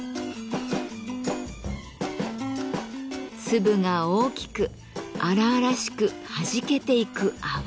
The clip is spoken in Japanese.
粒が大きく荒々しく弾けていく泡。